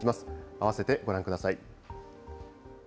併せてご覧ください。